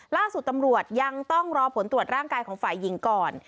ล่าสุดตำรวจยังต้องรอผลตรวจร่างกายของฝ่ายหญิงก่อน